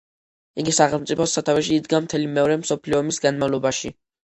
იგი სახელმწიფოს სათავეში იდგა მთელი მეორე მსოფლიო ომის განმავლობაში.